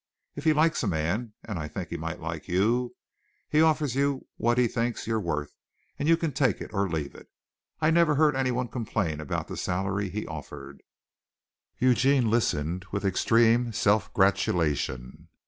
If he likes a man and I think he might like you he'll offer you what he thinks you're worth and you can take it or leave it. I never heard anyone complain about the salary he offered." Eugene listened with extreme self gratulation.